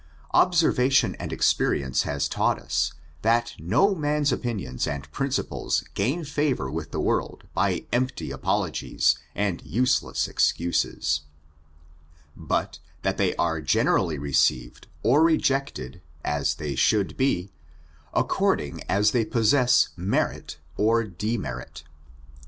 Observation and experience has taught us, that no man's opinions and principles gain favor with the world by empty apologjes and useless excuses; but, that they are generally received or rejected^ as they should be, according as they possess merit or demerit.